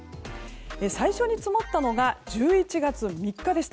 最初に積もったのが１１月３日でした。